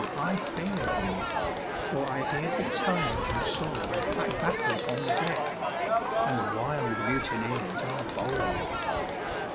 I fear thee, for I hear the tongue and sword At battle on the deck, and the wild mutineers are bold!